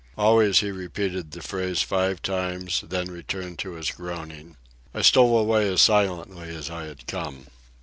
Always he repeated the phrase five times, then returned to his groaning. I stole away as silently as I had come.